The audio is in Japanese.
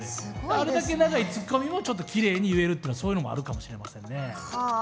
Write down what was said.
あれだけ長いツッコミもちょっときれいに言えるっていうのはそういうのもあるかもしれませんね。